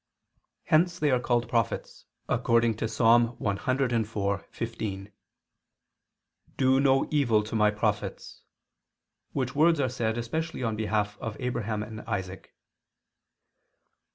Hence they are called prophets, according to Ps. 104:15, "Do no evil to My prophets," which words are said especially on behalf of Abraham and Isaac.